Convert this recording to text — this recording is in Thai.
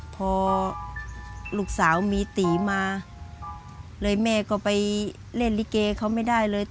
พอลูกสาวมีตีมาเลยแม่ก็ไปเล่นลิเกเขาไม่ได้เลย